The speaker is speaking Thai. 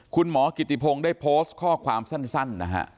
คุณหมอกิติพงศ์ได้โพสต์ข้อความสั้นนะฮะ